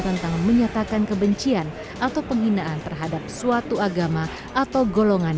tentang menyatakan kebencian atau penghinaan terhadap suatu agama atau golongan